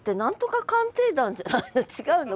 違うの？